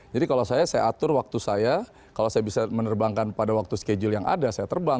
jadi kalau saya saya atur waktu saya kalau saya bisa menerbangkan pada waktu schedule yang ada saya terbang